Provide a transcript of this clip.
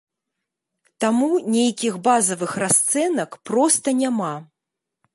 Таму нейкіх базавых расцэнак проста няма.